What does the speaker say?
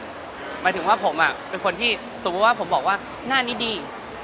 หมายถึงผมสงบว่าที่บอกว่าหน้านี้ดี